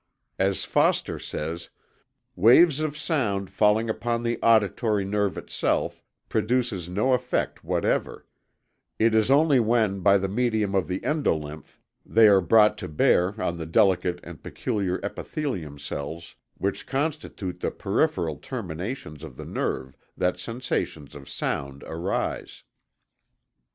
As Foster says: "Waves of sound falling upon the auditory nerve itself produces no effect whatever; it is only when, by the medium of the endolymph, they are brought to bear on the delicate and peculiar epithelium cells which constitute the peripheral terminations of the nerve, that sensations of sound arise."